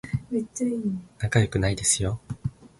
仲良くないですよ